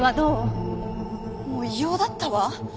もう異様だったわ。